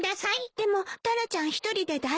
でもタラちゃん１人で大丈夫？